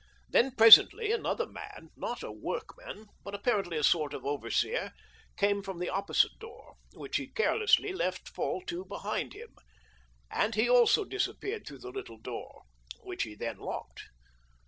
Then presently another man, not a workman, but apparently a sort of overseer, came from the opposite door, which he carelessly let fall to behind him, and he also dis appeared through the little door, which he then locked.